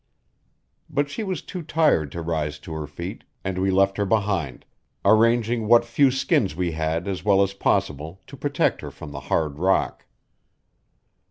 But she was too tired to rise to her feet, and we left her behind, arranging what few skins we had as well as possible to protect her from the hard rock.